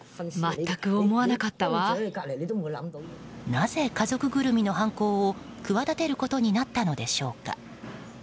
なぜ家族ぐるみの犯行を企てることになったのでしょうか。